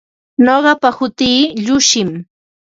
Nuqapa hutii Llushim.